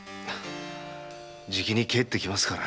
じきに帰ってきますから。